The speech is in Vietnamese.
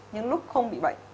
nhưng lúc không bị bệnh